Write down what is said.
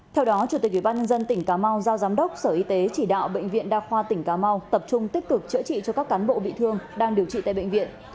theo đó chủ tịch ủy ban nhân dân tỉnh cà mau giao giám đốc sở y tế chỉ đạo bệnh viện đa khoa tỉnh cà mau tập trung tích cực chữa trị cho các cán bộ bị thương đang điều trị tại bệnh viện